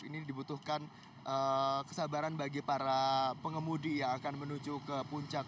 ini dibutuhkan kesabaran bagi para pengemudi yang akan menuju ke puncak